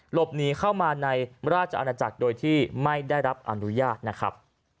หลบหนีเข้ามาในราชอาณาจักรโดยที่ไม่ได้รับอนุญาตนะครับ